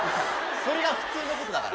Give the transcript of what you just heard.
それが普通のことだから。